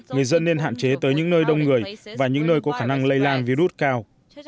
người dân nên hạn chế tới những nơi đông người và những nơi có khả năng lây lan virus cao